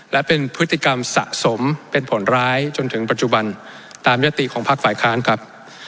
และเป็นพฤติกรรมสะสมเป็นผลร้ายจนถึงปัจจุบันตามยติของภาคฝ่ายค้านครับ